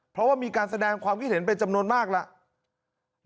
เพราะว่ามีการแสดงความคิดเห็นเป็นจำนวนมากแล้ว